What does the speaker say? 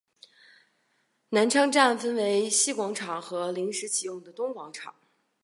南昌站分为西广场和临时启用的东广场。